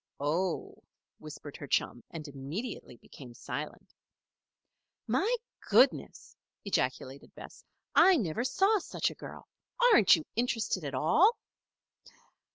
"Oh!" whispered her chum, and immediately became silent. "My goodness!" ejaculated Bess. "I never saw such a girl. Aren't you interested at all?"